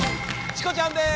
チコちゃんです！